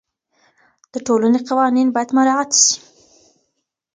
د ټولني قوانین باید مراعات سي.